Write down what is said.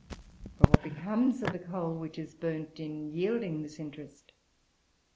But what becomes of the coal which is burnt in yielding this interest?